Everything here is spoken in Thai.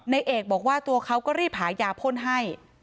ในเอกบอกว่าตัวเขาก็รีบหายาพ่นให้